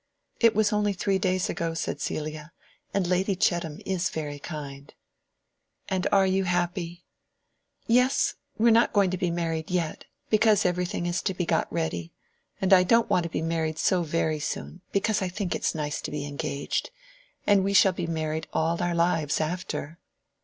"It was only three days ago," said Celia. "And Lady Chettam is very kind." "And you are very happy?" "Yes. We are not going to be married yet. Because every thing is to be got ready. And I don't want to be married so very soon, because I think it is nice to be engaged. And we shall be married all our lives after."